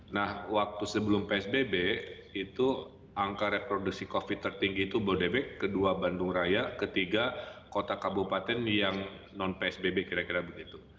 nah waktu sebelum psbb itu angka reproduksi covid tertinggi itu bodebek kedua bandung raya ketiga kota kabupaten yang non psbb kira kira begitu